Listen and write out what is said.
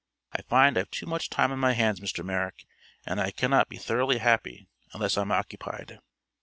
I find I've too much time on my hands, Mr. Merrick, and I cannot be thoroughly happy unless I'm occupied.